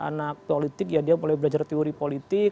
anak politik ya dia mulai belajar teori politik